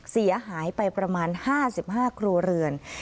เสียหายไปประมาณ๕๕ครัวเรือน